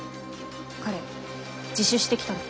彼自首してきたの。